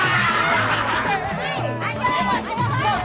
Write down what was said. biar nanti kayak bang masi jod